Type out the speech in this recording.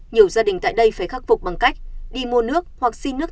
nhiều gia đình tại đây phải khắc phục bằng cách đi mua nước hoặc xin nước